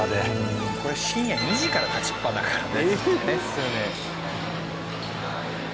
これ深夜２時から立ちっぱだからね。